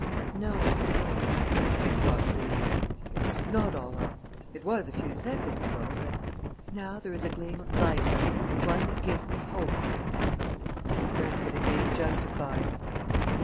"No, no," he said, thoughtfully, "it's not all up. It was, a few seconds ago. But now there is a gleam of light ... and one that gives me hope." "God grant that it may be justified!"